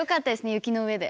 雪の上で。